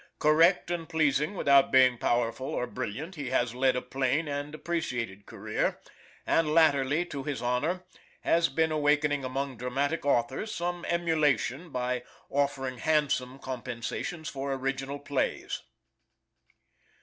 Correct and pleasing without being powerful or brilliant, he has led a plain and appreciated career, and latterly, to his honor, has been awakening among dramatic authors some emulation by offering handsome compensations for original plays.